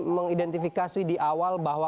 mengidentifikasi di awal bahwa